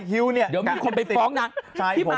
กันชาย